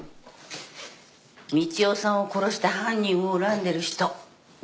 道夫さんを殺した犯人を恨んでる人。